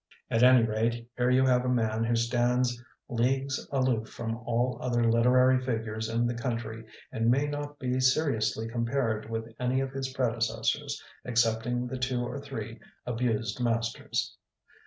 At any rate, here you have a man who stands leagues aloof from all other literary figures in the country and may not be seriously compared with any of his predecessors excepting the two or three abused masters.